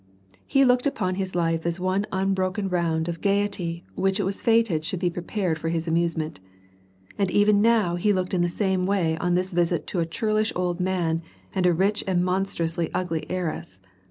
He looked upon his life as one unbroken round of gayety which it was fated should be prepared for his amuse ment. And even now he looked in the same way on this visit to a churlish old man and a rich and monstrously ugly heiress.